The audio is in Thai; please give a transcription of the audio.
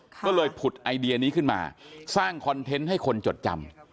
ก็เลยผุดไอเดียนี้ขึ้นมาสร้างคอนเทนต์ให้คนจดจำ